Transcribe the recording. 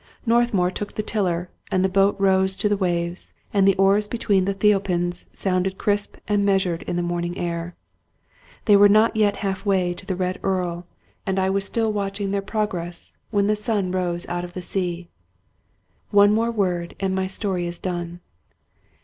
Northmour took the tiller ; the boat rose to the waves, and the oars between the tholepins, sounded crisp and measured in the morning air. They were not yet half way to the " Red Earl," and L 211 Scotch Mystery Stories was still watching their progress, when the sun rose out of the sea. One word more, and my story is done.